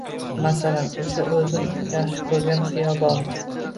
Masalan o’sha o’zim yaxshi ko’rgan xiyobon